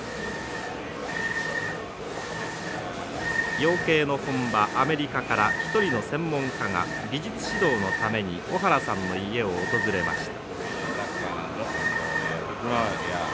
養鶏の本場アメリカから１人の専門家が技術指導のために小原さんの家を訪れました。